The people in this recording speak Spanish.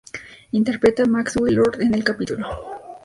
Interpreta a Maxwell Lord en el capítulo.